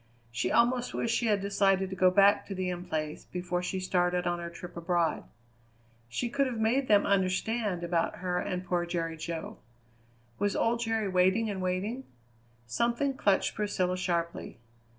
She almost wished she had decided to go back to the In Place before she started on her trip abroad. She could have made them understand about her and poor Jerry Jo. Was old Jerry waiting and waiting? Something clutched Priscilla sharply.